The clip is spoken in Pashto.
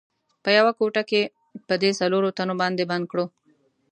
په یوه کوټه کې په دې څلورو تنو باندې بند کړو.